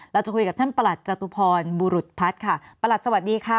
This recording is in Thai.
เราจะคุยกับท่านประหลัดจตุพรบุรุษพัฒน์ค่ะประหลัดสวัสดีค่ะ